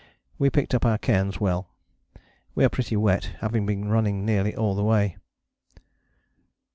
We picked up our cairns well. We are pretty wet, having been running nearly all the way.